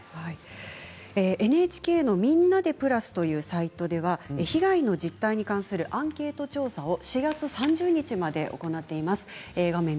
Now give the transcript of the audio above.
ＮＨＫの「みんなでプラス」というサイトでは被害の実態に関するアンケート調査を４月３０日まで行っています。